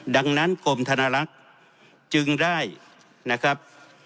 ดังนั้นกรมธนลักษณ์จึงได้นะครับ